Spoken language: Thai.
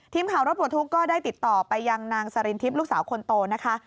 ทีมข่าวรถปลดทุกข์ก็ได้ติดต่อไปยังนางสรินทิพย์ลูกสาวคนโตนะคะ